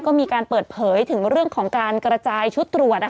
ก็มีการเปิดเผยถึงเรื่องของการกระจายชุดตรวจ